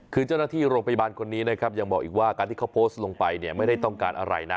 คือเจ้าหน้าที่โรงพยาบาลคนนี้นะครับยังบอกอีกว่าการที่เขาโพสต์ลงไปเนี่ยไม่ได้ต้องการอะไรนะ